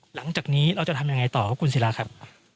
หลังจากนี้เราจะทำยังไงต่อครับคุณศิราครับ